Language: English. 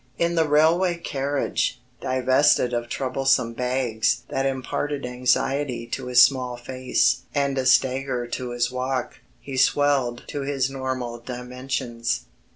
In the railway carriage, divested of troublesome bags that imparted anxiety to his small face and a stagger to his walk, he swelled to his normal dimensions.